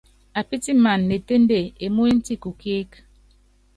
Apítiman ne ténde emúny ti kukíík.